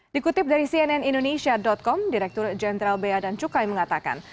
dikutip dari cnn indonesia com direktur jenderal bea dan cukai mengatakan